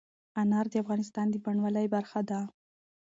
انار د افغانستان د بڼوالۍ برخه ده.